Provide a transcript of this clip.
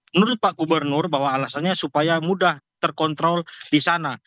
menurut pak gubernur bahwa alasannya supaya mudah terkontrol di sana